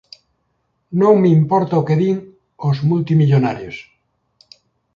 Non me importa o que din os multimillonarios.